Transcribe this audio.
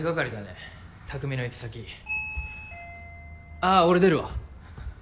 あぁ俺出るわ。